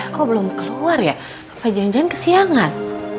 eh kok belum keluar ya apa jangan jangan kesiangan